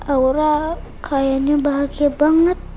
aura kayaknya bahagia banget